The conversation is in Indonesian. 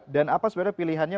dan apa sebenarnya pilihannya